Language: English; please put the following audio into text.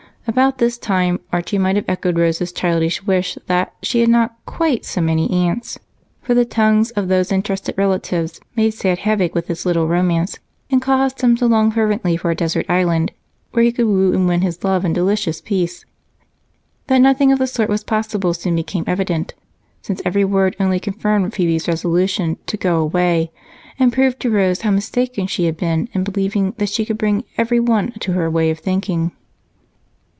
About this time Archie might have echoed Rose's childish wish, that she had not quite so many aunts, for the tongues of those interested relatives made sad havoc with his little romance and caused him to long fervently for a desert island where he could woo and win his love in delicious peace. That nothing of the sort was possible soon became evident, since every word uttered only confirmed Phebe's resolution to go away and proved to Rose how mistaken she had been in believing that she could bring everyone to her way of thinking.